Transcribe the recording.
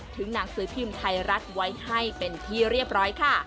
หนังสือพิมพ์ไทยรัฐไว้ให้เป็นที่เรียบร้อยค่ะ